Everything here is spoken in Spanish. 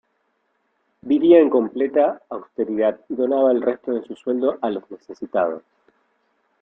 Vivía en completa austeridad y donaba el resto de su sueldo a los necesitados.